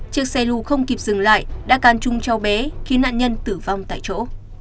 chiếc xe lưu không kịp dừng lại đã can trung cháu bé khiến nạn nhân tử vong tại chỗ